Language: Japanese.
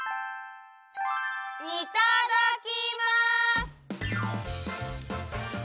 いただきます！